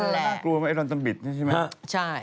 นั่นแหละน่ากลัวไหมไอ้รอนตำบิดนี่ใช่ไหม